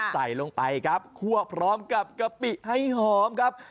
ใส่ลงไปครับคั่วพร้อมกับกะปิให้หอมครับ